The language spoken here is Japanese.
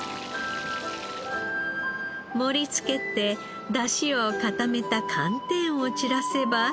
盛りつけて出汁を固めた寒天を散らせば。